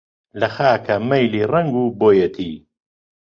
لە خاکا مەیلی ڕەنگ و بۆیەتی